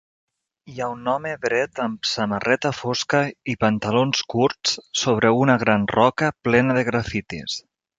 Hi ha un home dret amb samarreta fosca i pantalons curts sobre una gran roca plena de grafitis.